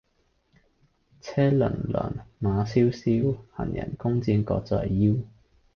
車轔轔，馬蕭蕭，行人弓箭各在腰。